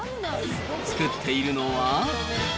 作っているのは。